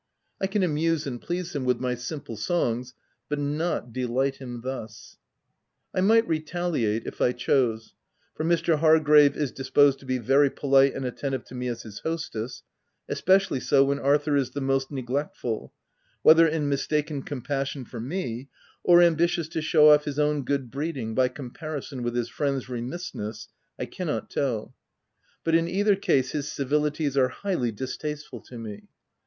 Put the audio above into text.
I can amuse and please him with my simple songs, but not delight him thus. I might retaliate if I chose, for Mr. Har grave is disposed to be very polite and attentive to me as his hostess — especially so when Arthur is the most neglectful, whether in mistaken compassion for me, or ambitious to show off his own good breeding by comparison with his friend's remissness, I cannot tell; but in either case, his civilities are highly distasteful to me.